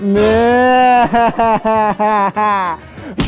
ถอดครับ